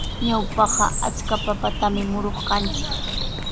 Ñawpaqa achka papatami muruq kanchik.